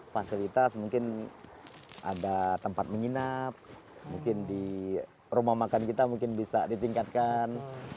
fasilitas mungkin ada tempat menginap mungkin di rumah makan kita mungkin bisa ditingkatkan